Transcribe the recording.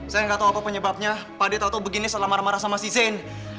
saya gak tahu apa penyebabnya pak de tau tuh begini setelah marah marah sama si zen